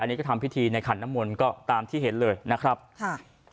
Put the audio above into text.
อันนี้ก็ทำพิธีในขันน้ำมนต์ก็ตามที่เห็นเลยนะครับค่ะ